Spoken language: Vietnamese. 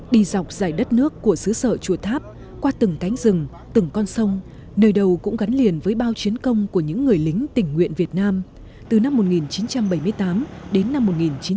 đi dọc dài đất nước của xứ sở chùa tháp qua từng cánh rừng từng con sông nơi đầu cũng gắn liền với bao chiến công của những người lính tình nguyện việt nam từ năm một nghìn chín trăm bảy mươi tám đến năm một nghìn chín trăm bảy mươi năm